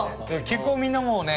結構みんな。